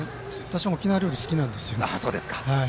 私も沖縄料理好きなんですよね。